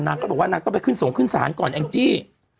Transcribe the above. ก็บอกว่านางต้องไปขึ้นสงขึ้นศาลก่อนแองจี้